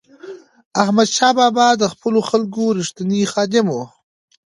احمدشاه بابا د خپلو خلکو رښتینی خادم و.